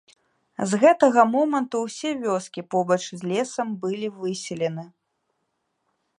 З гэтага моманту ўсе вёскі побач з лесам былі выселены.